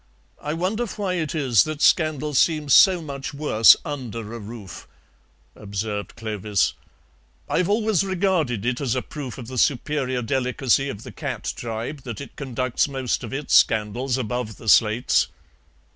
"I wonder why it is that scandal seems so much worse under a roof," observed Clovis; "I've always regarded it as a proof of the superior delicacy of the cat tribe that it conducts most of its scandals above the slates."